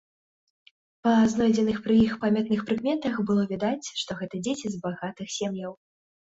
Па знойдзеных пры іх памятных прыкметах было відаць, што гэта дзеці з багатых сем'яў.